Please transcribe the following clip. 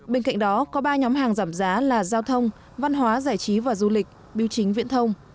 bên cạnh đó có ba nhóm hàng giảm giá là giao thông văn hóa giải trí và du lịch biểu chính viễn thông